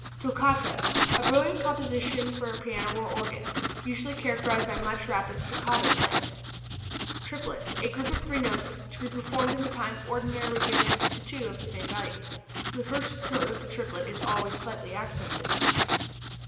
Toccata a brilliant composition for piano or organ, usually characterized by much rapid staccato playing. Triplet a group of three tones, to be performed in the time ordinarily given to two of the same value. The first tone of the triplet is always slightly accented.